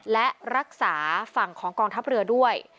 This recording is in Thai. และรักษาฝั่งของกองทัพเรือด้วย